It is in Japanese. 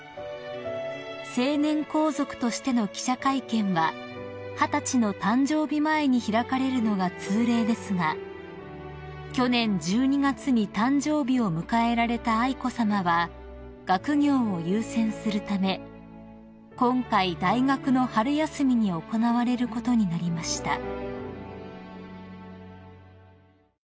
［成年皇族としての記者会見は二十歳の誕生日前に開かれるのが通例ですが去年１２月に誕生日を迎えられた愛子さまは学業を優先するため今回大学の春休みに行われることになりました］